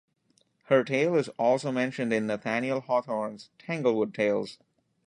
Her tale is also mentioned in Nathaniel Hawthorne's "Tanglewood Tales".